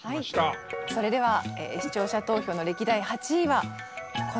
それでは視聴者投票の歴代８位はこちらです。